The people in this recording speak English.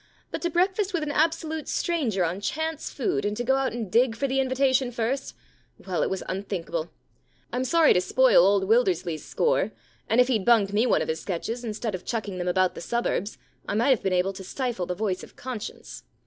But to breakfast with an absolute stranger on chance food, and to go out and dig for the invitation first — well, it was unthinkable. Fm sorry to spoil old Wildersley*s score, and if he*d bunged me one of his sketches instead of chucking them about the suburbs I might have been able to 51 The Problem Club stifle the voice of conscience.